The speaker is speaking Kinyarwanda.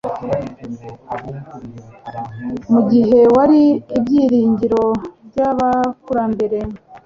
mu gihe uwari Ibyiringiro by’abakurambere,